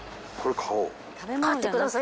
・買ってください